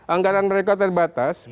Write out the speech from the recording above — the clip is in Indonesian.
anggaran mereka terbatas